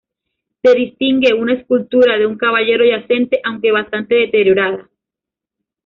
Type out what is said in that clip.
Se distingue una escultura de un caballero yacente, aunque bastante deteriorada.